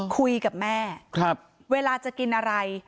คุยกับแม่เวลาจะกินอะไร